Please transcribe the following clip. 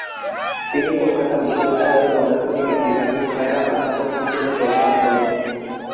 তিনি কলকাতা বিশ্ববিদ্যালয়ের পদার্থবিজ্ঞান বিভাগে খয়রা অধ্যাপক হিসেবে যোগদান করেন।